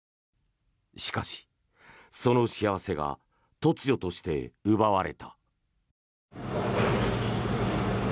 しかし、その幸せが突如として奪われた。